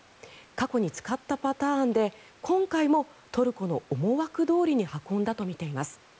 過去に使ったパターンで今回もトルコの思惑どおりに運んだとみています。